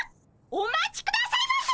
お待ちくださいませ！